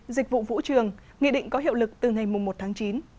dịch vụ vũ trường nghị định có hiệu lực từ ngày một tháng chín